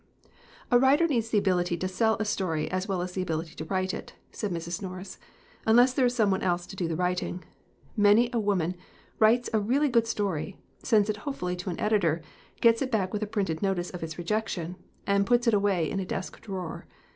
"A writer needs the ability to sell a story as well as the ability to write it," said Mrs. Norris, " unless there is some one else to do the writing. Many a woman writes a really good story, sends it hopefully to an editor, gets it back with a printed notice of its rejection, and puts it away in a desk drawer.